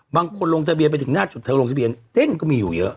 บางคนโรงทะเบียนไปถึงหน้าจุดเท้าโรงทะเบียนเด้งก็มีอยู่เยอะ